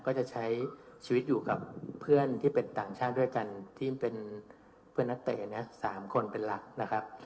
ก็จะใช้ชีวิตอยู่กับเพื่อนที่เป็นต่างชาติด้วยกันที่เป็นเพื่อนนักเตะเนี่ย๓คนเป็นหลักนะครับ